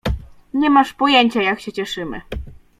— Nie masz pojęcia, jak się cieszymy.